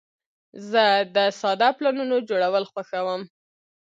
زه د ساده پلانونو جوړول خوښوم.